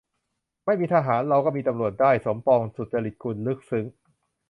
"ไม่มีทหาร เราก็มีตำรวจได้" - สมปอง สุจริตกุล ลึกซึ้ง